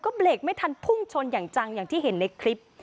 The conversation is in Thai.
เบรกไม่ทันพุ่งชนอย่างจังอย่างที่เห็นในคลิป